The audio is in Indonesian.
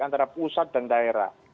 antara pusat dan daerah